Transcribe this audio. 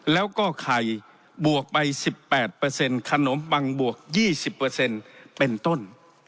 แล้วก็ไข่บวกไป๑๘เปอร์เซ็นต์ขนมปังบวก๒๐เปอร์เซ็นต์เป็นต้น